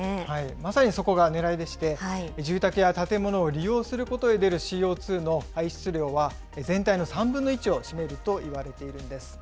まさにそこがねらいでして、住宅や建物を利用することで出るＣＯ２の排出量は全体の３分の１を占めるといわれているんです。